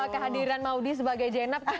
kehadiran maudie sebagai jenap tuh